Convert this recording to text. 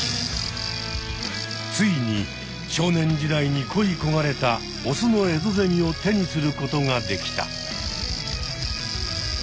ついに少年時代にこいこがれたオスのエゾゼミを手にすることができた。